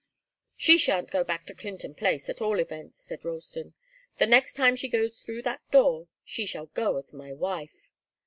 "She shan't go back to Clinton Place, at all events," said Ralston. "The next time she goes through that door, she shall go as my wife.